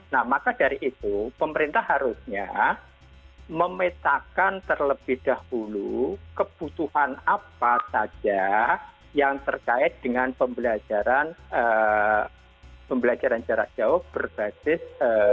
nah maka dari itu pemerintah harusnya memetakan terlebih dahulu kebutuhan apa saja yang terkait dengan pembelajaran pembelajaran jarak jauh berbasis